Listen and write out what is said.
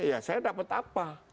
ya saya dapat apa